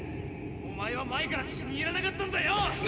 おまえは前から気に入らなかったんだよ。